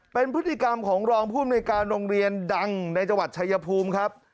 เป็นพฤติกรรมของรองภูมิในการโรงเรียนดังในจังหวัดชายภูมิครับ